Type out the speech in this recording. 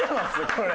これ。